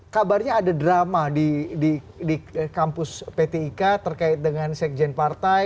kabarnya ada drama di kampus pt ika terkait dengan sekjen partai